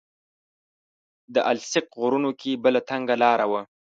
د السیق غرونو کې بله تنګه لاره وه.